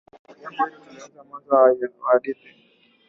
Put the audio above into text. jambo hilo tumelielezea mwanzani mwa hadithi